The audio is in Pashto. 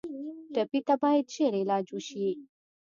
ټپي ته باید ژر علاج وشي.